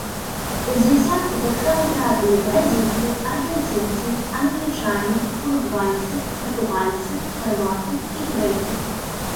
У дзясятку таксама трапілі бразільцы, аргенцінцы, англічане, уругвайцы, партугальцы, харваты і грэкі.